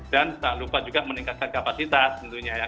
dan tak lupa juga meningkatkan kapasitas tentunya ya